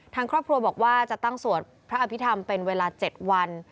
ทางครอบครัวบอกว่าจะตั้งสวดพระอภิษฐรรมเป็นเวลา๗วัน